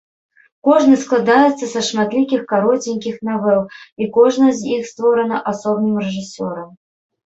Кожны складаецца са шматлікіх кароценькіх навел, і кожная з іх створана асобным рэжысёрам.